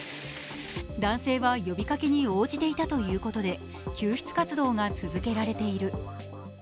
男性は呼びかけに応じていたということで救出活動が続けられている。